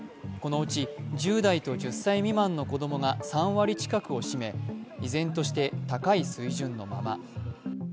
このうち１０代と１０歳未満の子供が３割近くを占め依然として高い水準のまま。